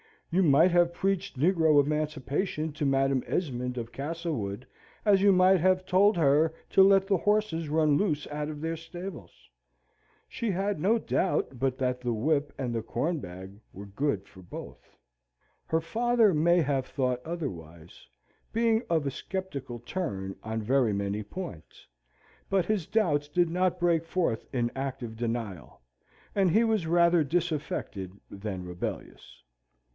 You might have preached negro emancipation to Madam Esmond of Castlewood as you might have told her to let the horses run loose out of her stables; she had no doubt but that the whip and the corn bag were good for both. Her father may have thought otherwise, being of a sceptical turn on very many points, but his doubts did not break forth in active denial, and he was rather disaffected than rebellious.